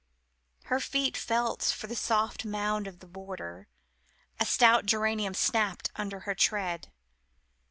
Her feet felt the soft mould of the border: a stout geranium snapped under her tread.